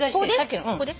ここで？